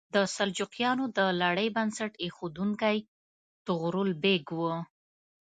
د سلجوقیانو د لړۍ بنسټ ایښودونکی طغرل بیګ و.